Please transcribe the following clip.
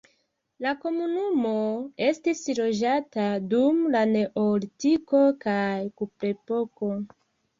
La komunumo estis loĝata dum la neolitiko kaj kuprepoko.